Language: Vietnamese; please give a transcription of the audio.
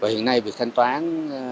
hiện nay việc thanh toán